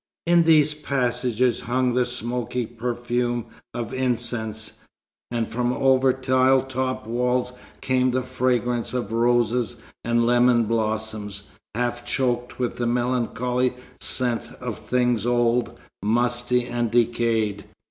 In these passages hung the smoky perfume of incense; and from over tile topped walls came the fragrance of roses and lemon blossoms, half choked with the melancholy scent of things old, musty and decayed.